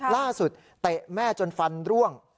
ล่าสุดเตะแม่จนฟันร่วง